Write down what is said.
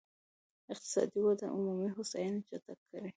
اقتصادي وده عمومي هوساينې چټکه کړي.